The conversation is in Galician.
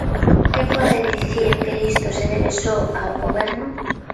¿Quen pode dicir que isto se debe só ao Goberno?